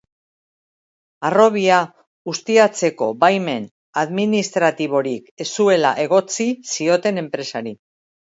Harrobia ustiatzeko baimen administratiborik ez zuela egotzi zioten enpresari.